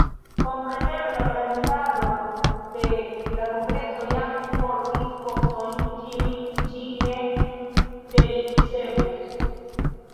Kompreneble la organizado de la kongreso jam kunportis kostojn, kiujn ĝi ne rericevos.